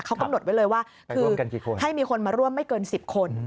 เขากำหนดไว้เลยว่าคือให้มีคนมาร่วมไม่เกิน๑๐คน